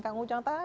kang ujang tadi